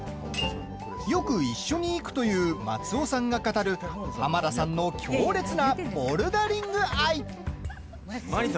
よく一緒に行くという松尾さんが語る濱田さんの強烈なボルダリング愛。